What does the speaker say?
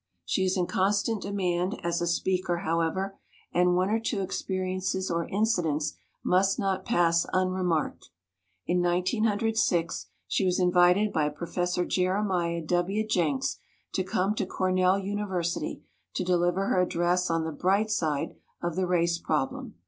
She is in constant demand as a speaker, however, and one or two experiences or incidents must not pass unremarked. In 1906 she was invited by Prof. Jeremiah W. Jenks to come to Cor nell University to deliver her address on the Bright Side of the Race Problem.